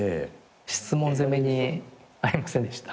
質問攻めに遭いませんでした？